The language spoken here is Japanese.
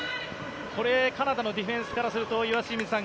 カナダのディフェンスからすると岩清水さん